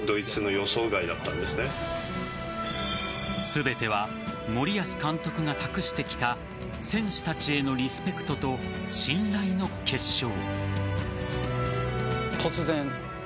全ては森保監督が託してきた選手たちへのリスペクトと信頼の結晶。